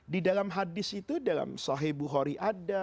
di dalam hadis itu dalam sahih buhori ada